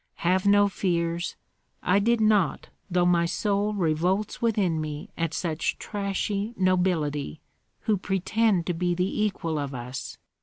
"Have no fears! I did not, though my soul revolts within me at such trashy nobility, who pretend to be the equal of us.